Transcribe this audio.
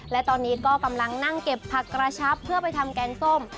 และตอนนี้ก็กำลังนั่งเก็บผักกระชับเพื่อไปทำแกงส้ม